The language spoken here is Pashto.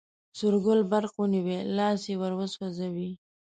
سور ګل برق ونیوی، لاس یې وروسوځوی.